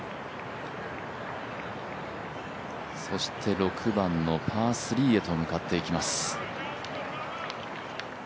そして６番のパー３へと向かっていきます。